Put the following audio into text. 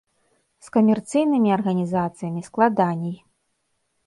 З камерцыйнымі арганізацыямі складаней.